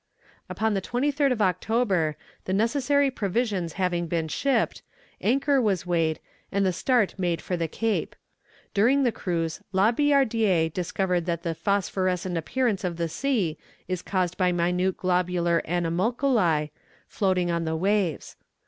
Upon the 23rd of October, the necessary provisions having been shipped, anchor was weighed, and the start made for the Cape. During the cruise, La Billardière discovered that the phosphorescent appearance of the sea is caused by minute globular animalculi, floating in the waves.